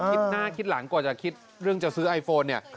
คิดหน้าคิดหลังกว่าจะคิดเรื่องจะซื้อไอโฟนเนี่ย